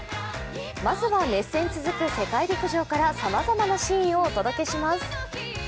まずは熱戦続く世界陸上からさまざまなシーンをお届けします。